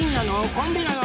コンビなの？